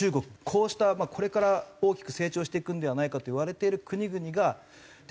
こうしたこれから大きく成長していくんではないかといわれている国々が制裁はしないと。